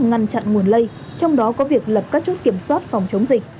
ngăn chặn nguồn lây trong đó có việc lập các chốt kiểm soát phòng chống dịch